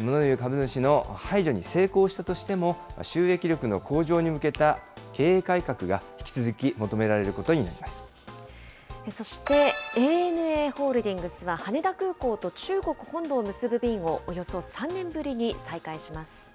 もの言う株主の排除に成功したとしても、収益力の向上に向けた経営改革が引き続き求められることになりまそしてＡＮＡホールディングスは羽田空港と中国本土を結ぶ便をおよそ３年ぶりに再開します。